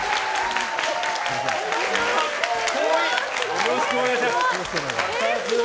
よろしくお願いします。